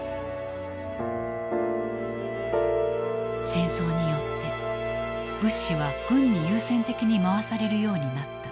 戦争によって物資は軍に優先的に回されるようになった。